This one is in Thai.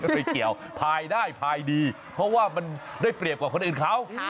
ไปเกี่ยวภายได้ภายดีเพราะว่ามันได้เปรียบกว่าคนอื่นเขา